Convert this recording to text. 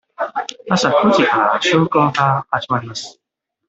朝九時から授業が始まります。